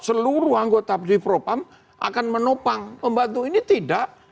keseluruh anggota di propang akan menopang membantu ini tidak